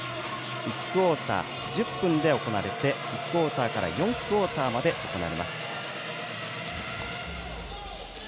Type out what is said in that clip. １クオーター１０分で行われて１クオーターから４クオーターまで行われます。